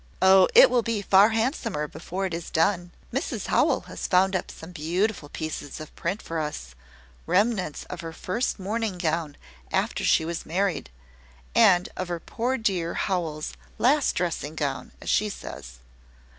"Oh, it will be far handsomer before it is done. Mrs Howell has found up some beautiful pieces of print for us remnants of her first morning gown after she was married, and of her poor dear Howell's last dressing gown, as she says.